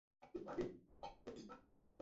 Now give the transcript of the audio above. আমি আরো ভালো করার চেষ্টা করবো।